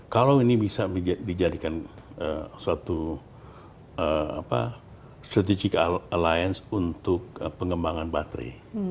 kalau ini bisa dijadikan suatu strategic alliance untuk pengembangan baterai untuk ev misalnya